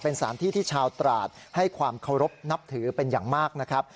เป็นสารที่ที่ชาวตราดให้ความเคารพนับถือเป็นอย่างมากนะครับ